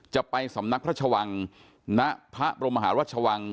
จะไปสำนักพระชวังณพระบรมหาราชวัง